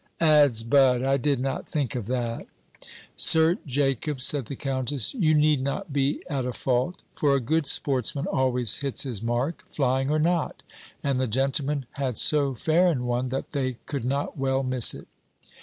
"Ads bud, I did not think of that." "Sir Jacob," said the countess, "you need not be at a fault; for a good sportsman always hits his mark, flying or not; and the gentlemen had so fair an one, that they could not well miss it."